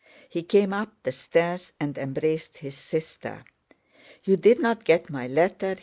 He came up the stairs and embraced his sister. "You did not get my letter?"